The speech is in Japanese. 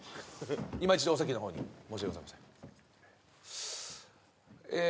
今一度お席の方に申し訳ございませんえー